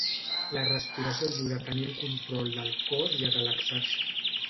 La respiració ajuda a tenir el control del cos i a relaxar-se.